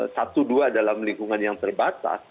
satu dua dalam lingkungan yang terbatas